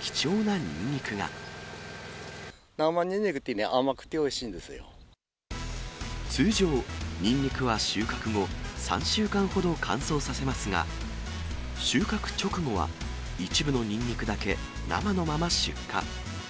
生ニンニクってね、甘くてお通常、ニンニクは収穫後、３週間ほど乾燥させますが、収穫直後は、一部のニンニクだけ生のまま出荷。